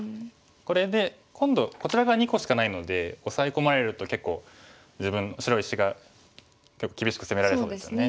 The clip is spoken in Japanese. これで今度こちら側２個しかないのでオサエ込まれると結構自分白石が結構厳しく攻められそうですよね。